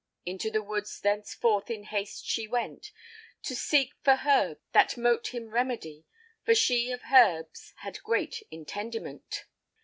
Into the woods thenceforth in haste shee went, To seeke for herbes that mote him remedy; For she of herbes had great intendiment.